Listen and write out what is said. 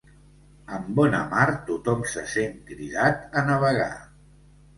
Amb bona mar tothom se sent cridat a navegar.